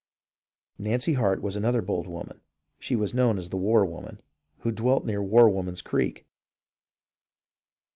Nancy Hart was another bold woman (she was known as the "war woman"), who dwelt near War Woman's Creek.